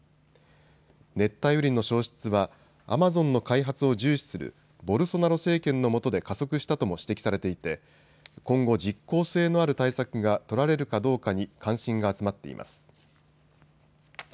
熱帯雨林の消失はアマゾンの開発を重視するボルソナロ政権の下で加速したとも指摘されていて今後、実効性のある対策が取られるかどうかに関心が集まっています。